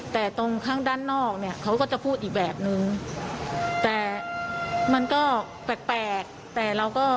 แต่ตรงข้างด้านนอกเขาก็จะพูดอีกแบบนึงแต่มันก็แปลกแต่